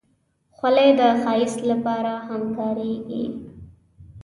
خولۍ د ښایست لپاره هم کارېږي.